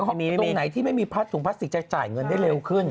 ตรงไหนที่ไม่มีพัดถุงพลาสติกจะจ่ายเงินได้เร็วขึ้น